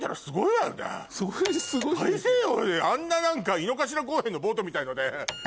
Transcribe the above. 大西洋であんな何か井の頭公園のボートみたいので。